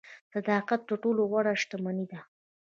صداقت تر ټولو غوره شتمني ده.